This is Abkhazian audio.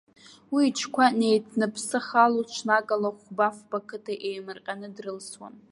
Уи иҽқәа неиҭныԥсахло, ҽнакала хәба-фба қыҭа еимырҟьаны дрылсуан.